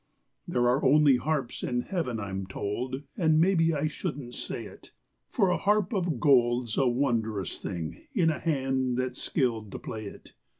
There are only harps in heaven, I'm told, And maybe I shouldn't say it, For a harp of gold's a wondrous thing In a hand that's skilled to play it.